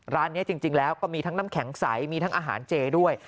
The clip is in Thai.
ร้านนี้จริงแล้วก็มีทั้งน้ำแข็งใสมีทั้งอาหารเจด้วย